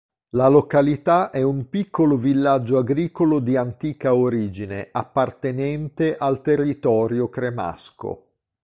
La località è un piccolo villaggio agricolo di antica origine, appartenente al territorio cremasco.